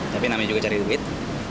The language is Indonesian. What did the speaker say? tapi namanya juga cari duit